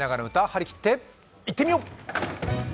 張り切っていってみよう！